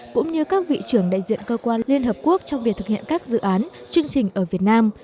cũng như các vị trưởng đại diện cơ quan liên hợp quốc trong việc thực hiện các dự án chương trình ở việt nam